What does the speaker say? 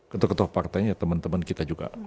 ketua ketua partainya teman teman kita juga